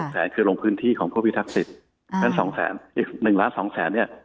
แสนคือลงพื้นที่ของผู้พิทักษิตฉะนั้น๒แสนอีก๑ล้าน๒แสนเนี่ย